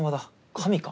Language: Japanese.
神か。